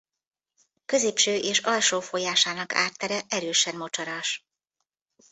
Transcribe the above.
Középső és alsó folyásának ártere erősen mocsaras.